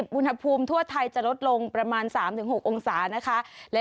๑๘๑๙๒๐บุญภาพภูมิทั่วไทยจะลดลงประมาณ๓๖องศานะคะ